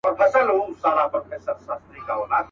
ریشتیا د « بېنوا » یې کړ داستان څه به کوو؟.